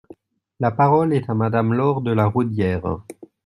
La parole est à Madame Laure de La Raudière.